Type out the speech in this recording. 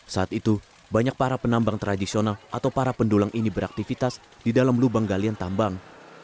saat itu banyak para penambang tradisional atau para pendulang ini beraktivitas di dalam lubang galian tambang